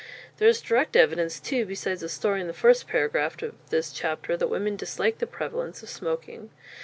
There is direct evidence, too, besides the story in the first paragraph of this chapter, that women disliked the prevalence of smoking.